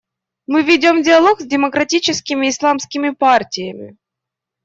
Мы ведем диалог с демократическими исламскими партиями.